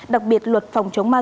đặc biệt luật phòng chống ma túy